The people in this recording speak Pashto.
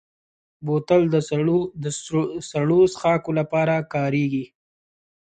بوتل د سړو څښاکو لپاره کارېږي.